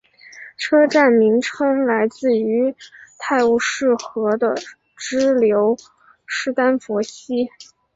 车站名称来自于泰晤士河的支流史丹佛溪。